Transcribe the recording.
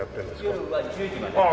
夜は１０時までです。